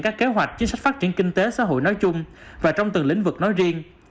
các kế hoạch chính sách phát triển kinh tế xã hội nói chung và trong từng lĩnh vực nói riêng